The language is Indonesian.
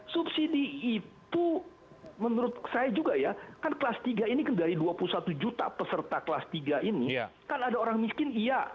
subsidi itu menurut saya juga ya kan kelas tiga ini dari dua puluh satu juta peserta kelas tiga ini kan ada orang miskin iya